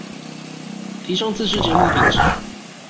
提昇自製節目品質